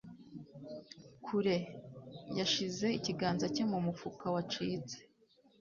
kure? yashyize ikiganza cye mu mufuka wacitse